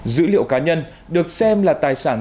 dữ liệu cá nhân được xem là tài sản